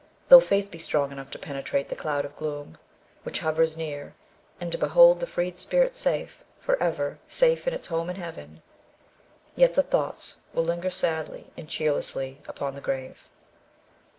Though faith be strong enough to penetrate the cloud of gloom which hovers near, and to behold the freed spirit safe, for ever, safe in its home in heaven, yet the thoughts will linger sadly and cheerlessly upon the grave.